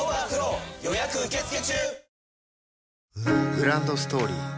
グランドストーリー